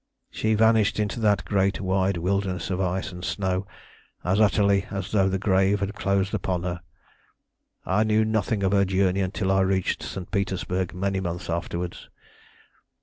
She vanished into that great white wilderness of ice and snow as utterly as though the grave had closed upon her. I knew nothing of her journey until I reached St. Petersburg many months afterwards.